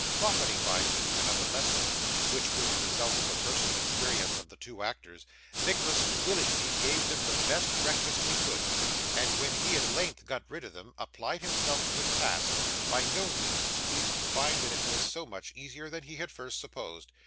Profiting by these and other lessons, which were the result of the personal experience of the two actors, Nicholas willingly gave them the best breakfast he could, and, when he at length got rid of them, applied himself to his task: by no means displeased to find that it was so much easier than he had at first supposed.